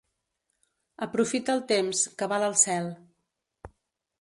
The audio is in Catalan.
Aprofita el temps, que val el cel.